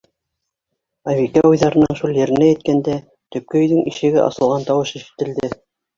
Айбикә уйҙарының шул еренә еткәндә, төпкө өйҙөң ишеге асылған тауыш ишетелде.